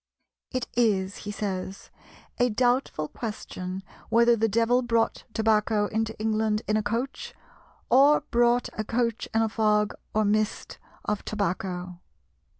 "It is," he says, "a doubtful question whether the devil brought tobacco into England in a coach, or brought a coach in a fog or mist of tobacco."